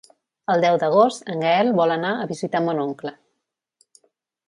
El deu d'agost en Gaël vol anar a visitar mon oncle.